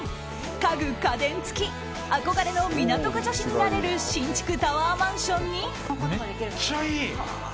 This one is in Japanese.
家具家電付き憧れの港区女子になれる新築タワーマンションに。